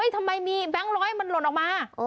ทำไมมีแบงค์ร้อยมันหล่นออกมา